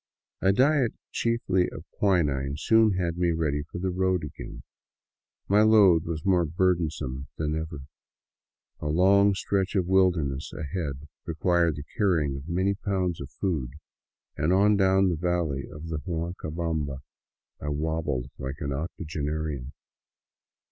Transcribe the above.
A diet chiefly of quinine soon had me ready for the road again. My load was more burdensome than ever. A long stretch of wilderness ahead required the carrying of many pounds of food, and on down the valley of the Huancabamba I wobbled like an octogenarian.